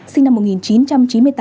sinh năm một nghìn chín trăm chín mươi tám